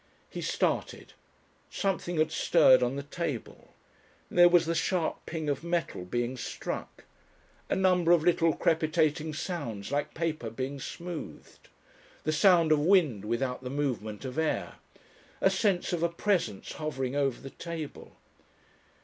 He started. Something had stirred on the table. There was the sharp ping of metal being struck. A number of little crepitating sounds like paper being smoothed. The sound of wind without the movement of air. A sense of a presence hovering over the table.